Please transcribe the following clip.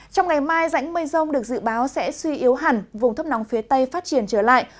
trong ngày mai rãnh mây rông được dự báo sẽ suy yếu hẳn vùng thấp nóng phía tây phát triển trở lại